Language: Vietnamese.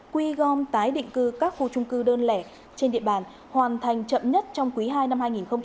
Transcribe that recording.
quy gom tái định cư các khu trung cư đơn lẻ trên địa bàn hoàn thành chậm nhất trong quý ii năm hai nghìn hai mươi